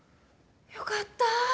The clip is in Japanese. よかった。